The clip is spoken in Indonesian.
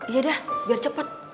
yaudah biar cepet